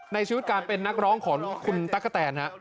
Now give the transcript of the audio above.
ในชีวิตการเป็นนักร้องของคุณตั๊กกะแตน